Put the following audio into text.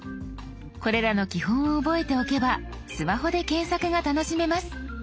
これらの基本を覚えておけばスマホで検索が楽しめます。